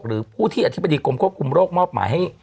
หรือผู้ที่อธิบดีกรมควบคุมโรคมอบหมายให้